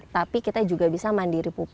tapi kita juga bisa mandiri pupuk